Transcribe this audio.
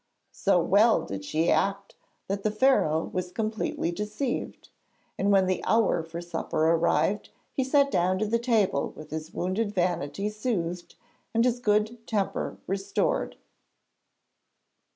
So well did she act that the Pharaoh was completely deceived, and when the hour for supper arrived, he sat down to the table with his wounded vanity soothed and his good temper restored.